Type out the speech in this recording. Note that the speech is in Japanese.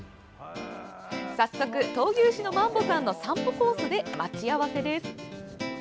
早速闘牛士のマンボさんの散歩コースで待ち合わせです。